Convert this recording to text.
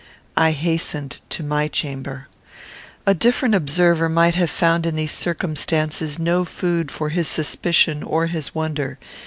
I hastened to my chamber. A different observer might have found in these circumstances no food for his suspicion or his wonder.